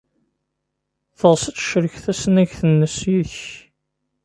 Teɣs ad tecrek tasnagt-nnes yid-k.